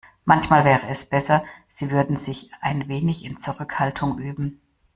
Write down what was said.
Manchmal wäre es besser, sie würde sich ein wenig in Zurückhaltung üben.